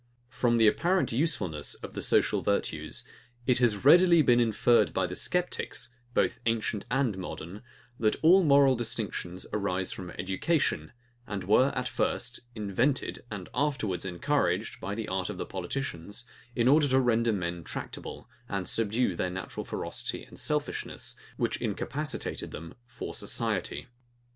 From the apparent usefulness of the social virtues, it has readily been inferred by sceptics, both ancient and modern, that all moral distinctions arise from education, and were, at first, invented, and afterwards encouraged, by the art of politicians, in order to render men tractable, and subdue their natural ferocity and selfishness, which incapacitated them for society.